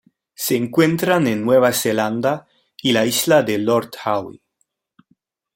Se encuentran en Nueva Zelanda y la Isla de Lord Howe.